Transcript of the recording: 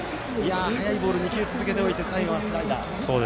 速いボール、２球続けておいて最後はスライダー。